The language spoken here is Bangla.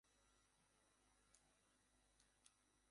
এছাড়াও, প্রথিতযশা ক্রিকেটার ওয়াল্টার হ্যাডলি’র সন্তান তিনি।